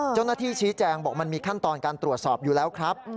เจ้าหน้าที่ชี้แจงบอกมันมีขั้นตอนการตรวจสอบอยู่แล้วครับ